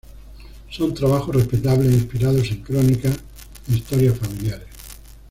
Son trabajos respetables inspirados en crónicas e historias familiares.